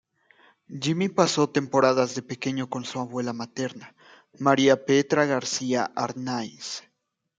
Jimmy pasó temporadas de pequeño con su abuela materna, María Petra García-Arnaiz.